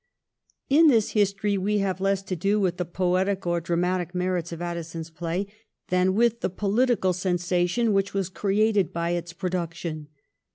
283 In this history we have less to do with the poetic or dramatic merits of Addison's play than with the political sensation which was created by its pro duction.